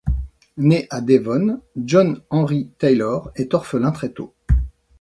Né à Devon, John Henry Taylor est orphelin très tôt.